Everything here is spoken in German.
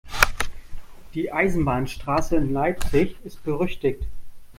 Die Eisenbahnstraße in Leipzig ist berüchtigt.